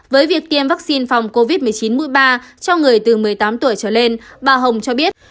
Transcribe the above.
với việc tiêm vaccine phòng covid một mươi chín mũi ba cho người từ một mươi tám tuổi trở lên bà hồng cho biết